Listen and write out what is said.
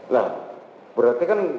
nah berarti kan